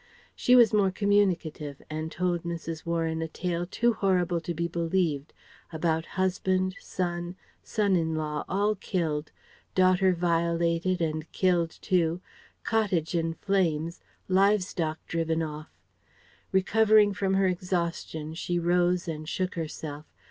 She was more communicative and told Mrs. Warren a tale too horrible to be believed, about husband, son, son in law all killed, daughter violated and killed too, cottage in flames, livestock driven off. Recovering from her exhaustion she rose and shook herself.